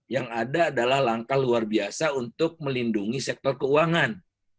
yang ada adalah langkah luar biasa untuk melindungi sektor keuangan